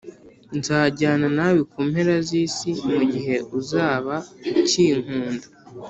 Nzajyana nawe ku mpera z’Isi mu gihe uzaba ukinkunda